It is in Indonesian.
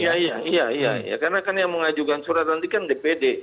iya iya iya karena kan yang mengajukan surat nanti kan dpd